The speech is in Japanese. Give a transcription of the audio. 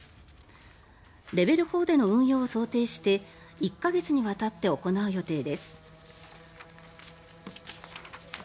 レベル４での運用を想定して１か月にわたって行う予定です。